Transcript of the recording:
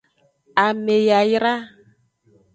Ame yayra.